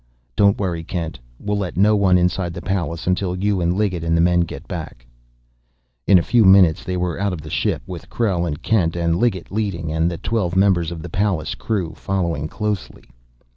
"Don't worry, Kent. We'll let no one inside the Pallas until you and Liggett and the men get back." In a few minutes they were out of the ship, with Krell and Kent and Liggett leading, and the twelve members of the Pallas' crew following closely.